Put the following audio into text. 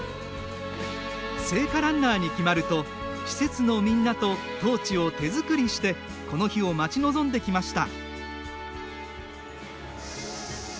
聖火ランナーに決まると施設のみんなとトーチを手作りしてこの日を待ち望んできました。